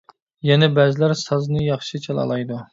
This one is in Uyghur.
يەنە بەزىلەر سازنى ياخشى چالالايدۇ.